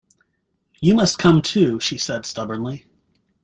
"You must come too," she said stubbornly.